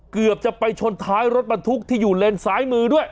เกือบจะไปชนท้ายรถบรรทุกที่อยู่เลนซ้ายมือด้วย